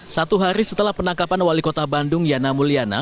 satu hari setelah penangkapan wali kota bandung yana mulyana